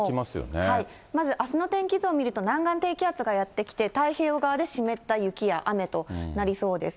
はい、まず、あすの天気図を見ると、南岸低気圧がやって来て、太平洋側で湿った雪や雨となりそうです。